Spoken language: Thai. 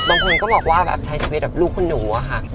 บางคนก็บอกว่าแบบใช้ชีวิตแบบลูกคุณหนูอะค่ะ